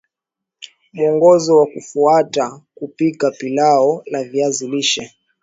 Muongozo wa kufuata kupika pilau la viazi lishe